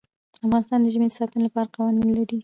افغانستان د ژمی د ساتنې لپاره قوانین لري.